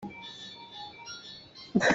Mipa nih dawr ah kal a duh maw?